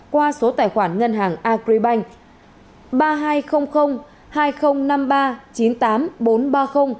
qua số tài khoản ngân hàng agribank